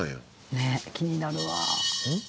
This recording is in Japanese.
ねえ気になるわ。